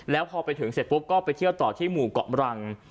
แล้วพอไปถึงเสร็จปุ๊บก็ไปเที่ยวต่อที่หมู่เกาะมรัง